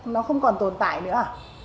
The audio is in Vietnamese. nó không còn tồn tại nữa